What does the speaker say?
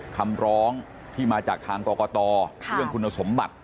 คำร้องที่มาจากทางกรกตเรื่องคุณสมบัติ